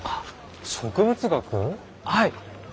はい。